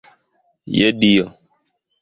Je Dio!